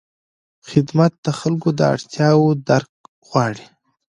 خدمت د خلکو د اړتیاوو درک غواړي.